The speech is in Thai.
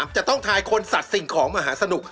จะต้องทายคนสัตว์สิ่งของมหาสนุก